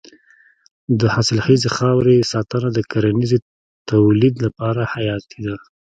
د حاصلخیزې خاورې ساتنه د کرنیزې تولید لپاره حیاتي ده.